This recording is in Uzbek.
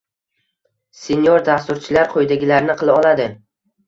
Senior dasturchilar quyidagilarni qila oladi